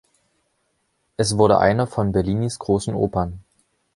Es wurde eine von Bellinis großen Opern.